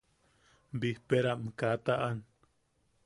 Bijpeeram kaa taʼan.